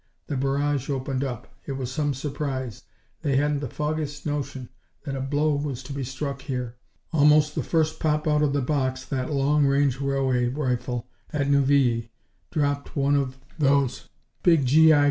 the barrage opened up. It was some surprise. They hadn't the foggiest notion that a blow was to be struck here. Almost the first pop out of the box that long range railway rifle at Neuvilly dropped one of those big G.I.